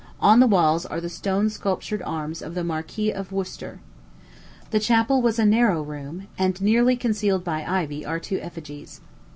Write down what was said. On the walls are the stone sculptured arms of the Marquis of Worcester. The chapel was a narrow room; and, nearly concealed by ivy, are two effigies.